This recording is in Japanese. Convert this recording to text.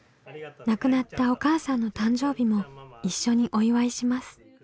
亡くなったお母さんの誕生日も一緒にお祝いします。